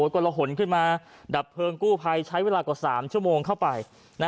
กระหนขึ้นมาดับเพลิงกู้ภัยใช้เวลากว่า๓ชั่วโมงเข้าไป